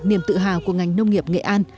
niềm tự hào của ngành nông nghiệp nghệ an